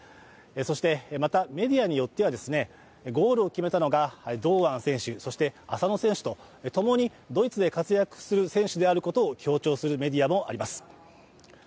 そして、メディアによってはゴールを決めたのが堂安選手、そして浅野選手と、ともにドイツで活躍する選手であることを強調するメディアもあります。